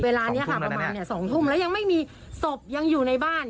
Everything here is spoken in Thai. เวลานี้ค่ะประมาณ๒ทุ่มแล้วยังไม่มีศพยังอยู่ในบ้าน